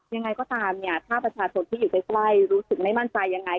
ยังไงก็ตามเนี่ยถ้าประชาชนที่อยู่ใกล้รู้สึกไม่มั่นใจยังไง